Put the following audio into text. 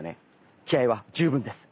気合いは十分です。